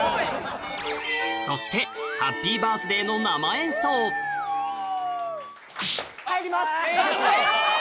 そして「ハッピーバースデー」の生演奏えぇ！